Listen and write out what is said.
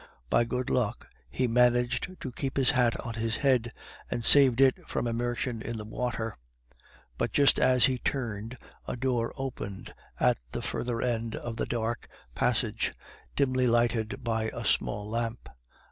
By good luck, he managed to keep his hat on his head, and saved it from immersion in the water; but just as he turned, a door opened at the further end of the dark passage, dimly lighted by a small lamp.